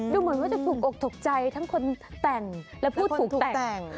ดูเหมือนว่าจะถูกอกถูกใจทั้งคนแต่งและผู้ถูกแต่ง